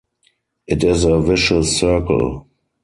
It is a vicious circle.